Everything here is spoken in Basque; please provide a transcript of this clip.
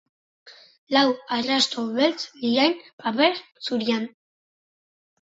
Lau arrasto beltz lirain paper zurian.